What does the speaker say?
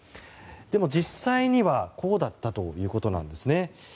でも実際にはこうだったということですね。